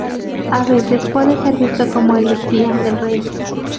A veces, puede ser visto como el "espía" del rey.